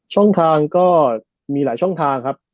ช่องทางก็มีหลายช่องทางครับ